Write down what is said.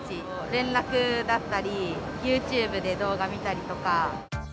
連絡だったり、ユーチューブで動画見たりとか。